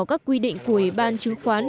các quy định của ủy ban chứng khoán